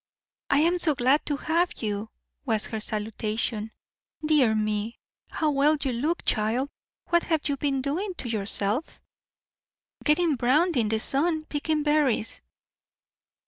"I am so glad to have you!" was her salutation. "Dear me, how well you look, child! What have you been doing to yourself?" "Getting brown in the sun, picking berries."